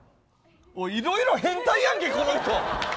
いろいろ変態やんけ、この人。